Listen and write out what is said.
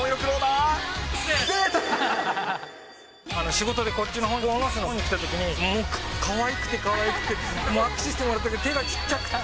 仕事でこっちの鴻巣のほうに来たときに、もうかわいくてかわいくて、握手してもらったけど、手がちっちゃくて。